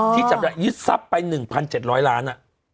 ที่ยึดทรัพย์ไป๑๗๐๐ล้าน